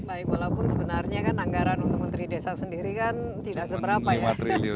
baik walaupun sebenarnya kan anggaran untuk menteri desa sendiri kan tidak seberapa ya